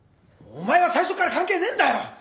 お前は最初から関係ねえんだよ！